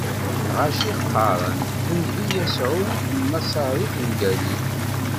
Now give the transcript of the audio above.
Lɣaci qqaren: D nnbi Yasuɛ n Naṣarit n Galil.